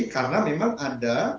karena memang ada